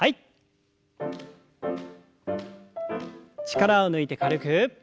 力を抜いて軽く。